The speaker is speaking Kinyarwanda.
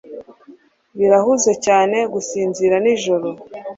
birahuze cyane gusinzira nijoro